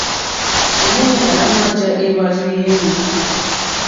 Èmúɲánà àmà jǎ éhwàrzù yámì.